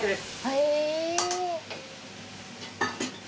へえ。